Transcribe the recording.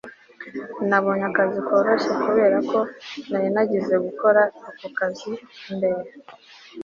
nabonye akazi koroshye, kubera ko nari narigeze gukora ako kazi mbere